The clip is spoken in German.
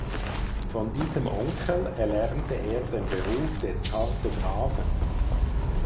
Von diesem Onkel erlernte er den Beruf des Kartografen.